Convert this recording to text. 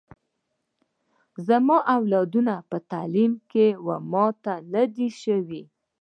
زما اولادونه په تعلیم کي و ماته نه دي سوي